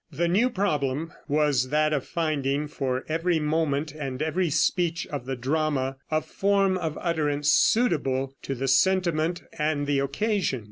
The new problem was that of finding, for every moment and every speech of the drama, a form of utterance suitable to the sentiment and the occasion.